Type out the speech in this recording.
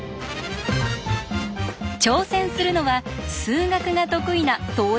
挑戦するのは数学が得意な東大生です。